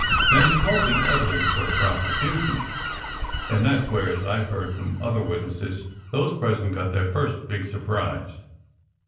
Then he called the evidence for the prosecution, and that s where, as I ve heard from other witnesses, those present got their first big surprise.